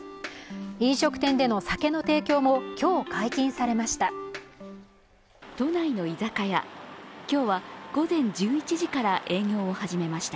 飲食店での酒の提供も今日、解禁されました。